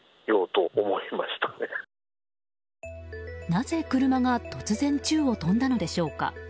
なぜ車が突然宙を飛んだのでしょうか。